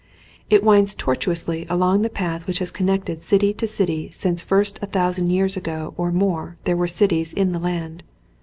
It winds tortuously along the path which has connected city to city since first a thousand years ago or more there were cities in the land.